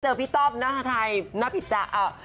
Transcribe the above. เจอพี่ต้อมณฮัทัยณพิจาะ